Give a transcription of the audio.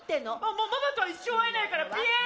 もうママとは一生会えないからぴえん！